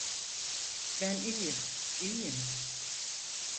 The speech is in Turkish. Ben iyiyim, iyiyim.